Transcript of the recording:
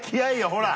ほら。